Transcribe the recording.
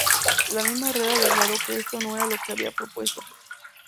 La misma Reda declaró que esto no era lo que había propuesto.